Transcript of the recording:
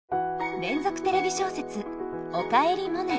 連続テレビ小説「おかえりモネ」。